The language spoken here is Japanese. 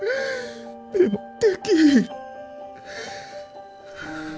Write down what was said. でもできひん。